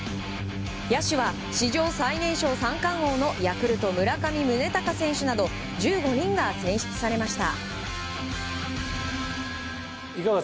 野手は史上最年少三冠王のヤクルト、村上宗隆選手など１５人が選出されました。